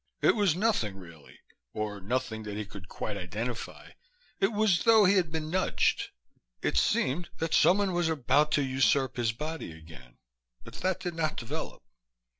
It was nothing, really. Or nothing that he could quite identify. It was though he had been nudged. It seemed that someone was about to usurp his body again, but that did not develop.